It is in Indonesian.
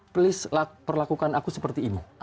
please perlakukan aku seperti ini